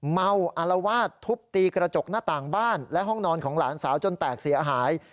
เมาอารวาสทุบตีกระจกหน้าต่างบ้านและห้องนอนของหลานสาวจนแตกเสียหาย